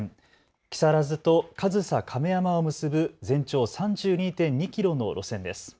木更津と上総亀山を結ぶ全長３２．２キロの路線です。